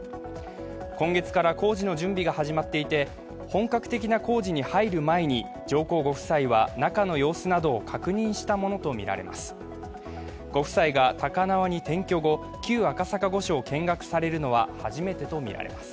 今月から工事の準備が始まっていて、本格的な工事に入る前に上皇ご夫妻は中の様子などを確認したものとみられます。